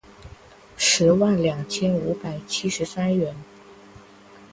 十万两千五百七十三元